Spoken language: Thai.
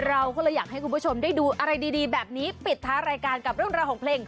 เราก็เลยอยากให้คุณผู้ชมได้ดูอะไรดีแบบนี้ปิดท้ายรายการกับเรื่องราวของเพลง